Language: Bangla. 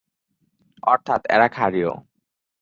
অর্থাৎ, এরা ক্ষারীয়।